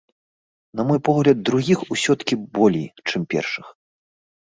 На мой погляд, другіх усё-ткі болей, чым першых.